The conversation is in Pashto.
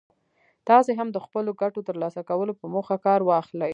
تاسې هم د خپلو ګټو ترلاسه کولو په موخه کار واخلئ.